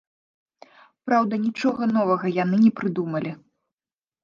Праўда, нічога новага яны не прыдумалі.